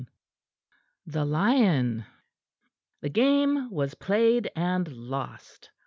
THE LION The game was played and lost.